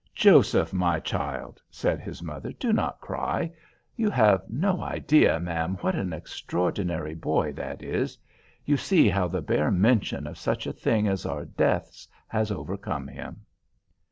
"Joseph, my child," said his mother, "do not cry. You have no idea, ma'am, what an extraordinary boy that is. You see how the bare mention of such a thing as our deaths has overcome him."